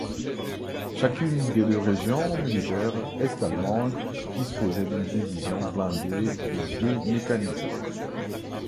Chacune des deux régions militaires est-allemandes disposaient d'une division blindée et deux mécanisés.